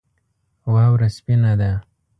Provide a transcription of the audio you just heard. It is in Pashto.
واوره سپینه ده